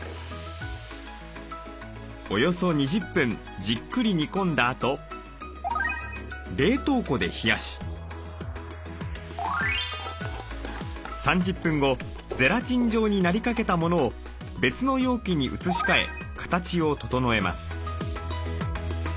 およそ２０分じっくり煮込んだあと冷凍庫で冷やし３０分後ゼラチン状になりかけたものを別の容器に移し替え形を整えます。